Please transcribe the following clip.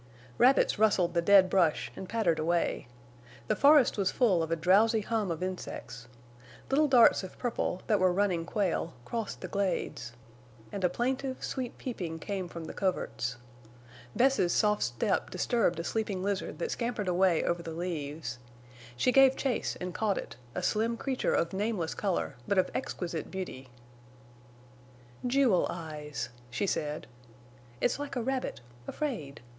Rabbits rustled the dead brush and pattered away. The forest was full of a drowsy hum of insects. Little darts of purple, that were running quail, crossed the glades. And a plaintive, sweet peeping came from the coverts. Bess's soft step disturbed a sleeping lizard that scampered away over the leaves. She gave chase and caught it, a slim creature of nameless color but of exquisite beauty. "Jewel eyes," she said. "It's like a rabbit—afraid.